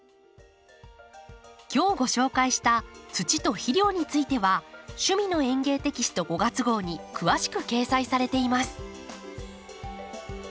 今日ご紹介した土と肥料については「趣味の園芸」テキスト５月号に詳しく掲載されています。